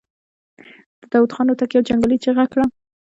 د داوود خان هوتک يوه جنګيالې چيغه کړه.